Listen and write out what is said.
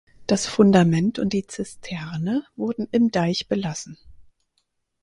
Das Fundament und die Zisterne wurden im Deich belassen.